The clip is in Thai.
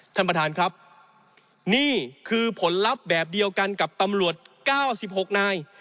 ท่านประธานครับนี่คือผลลัพธ์แบบเดียวกันกับตำรวจ๙๖นาย